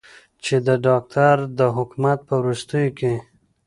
چې د داکتر د حکومت په وروستیو کې